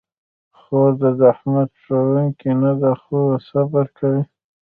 خور د زحمت خوښونکې نه ده، خو صبر کوي.